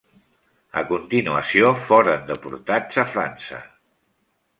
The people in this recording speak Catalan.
A continuació, foren deportats a França.